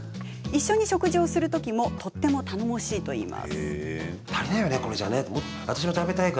一緒に食事をするときもとても頼もしいといいます。